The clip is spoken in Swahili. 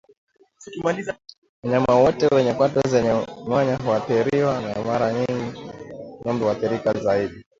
Wanyama wote wenye kwato zenye mwanya huathiriwa na Mara nyingi ng'ombe huathirika zaidi